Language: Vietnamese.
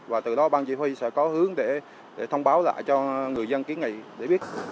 và từ đó ban chỉ huy sẽ có hướng để thông báo lại cho người dân kiến nghị để biết